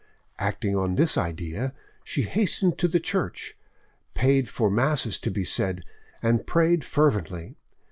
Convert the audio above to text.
Acting on this idea, she hastened to the church, paid for masses to be said, and prayed fervently.